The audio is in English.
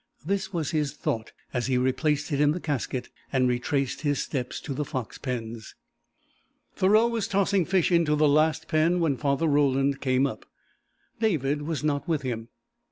This was his thought as he replaced it in the casket and retraced his steps to the fox pens. Thoreau was tossing fish into the last pen when Father Roland came up. David was not with him.